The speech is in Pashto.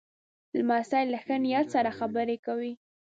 لمسی له ښه نیت سره خبرې کوي.